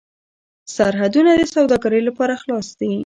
سرحدونه د سوداګرۍ لپاره خلاص دي.